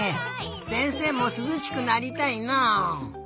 せんせいもすずしくなりたいな。